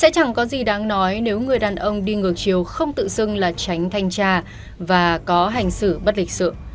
đáng nói nếu người đàn ông đi ngược chiều không tự xưng là tránh thanh tra và có hành xử bất lịch sự